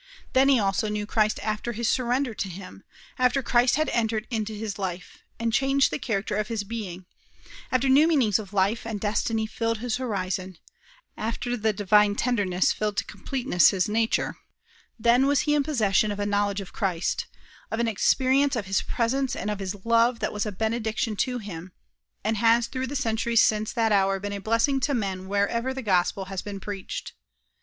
Then he also knew Christ after his surrender to him; after Christ had entered into his life, and changed the character of his being; after new meanings of life and destiny filled his horizon, after the Divine tenderness filled to completeness his nature; then was he in possession of a knowledge of Christ, of an experience of his presence and of his love that was a benediction to him, and has through the centuries since that hour been a blessing to men wherever the gospel has been preached.